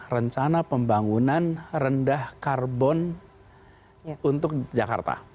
rencana pembangunan rendah karbon untuk jakarta